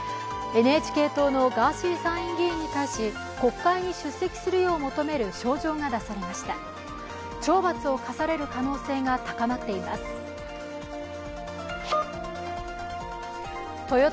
ＮＨＫ党のガーシー参議院議員に対し国会に出席するよう求める招状が出されました。